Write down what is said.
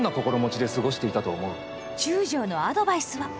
中将のアドバイスは。